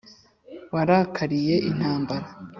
Warakariye intambara